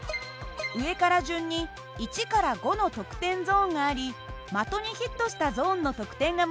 上から順に１５の得点ゾーンがあり的にヒットしたゾーンの得点がもらえます。